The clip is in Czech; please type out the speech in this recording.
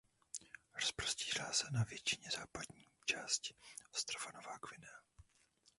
Rozprostírá se na většině západní části ostrova Nová Guinea.